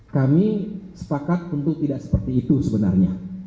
kami sepakat tentu tidak seperti itu sebenarnya